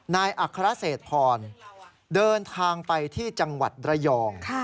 อัครเศษพรเดินทางไปที่จังหวัดระยอง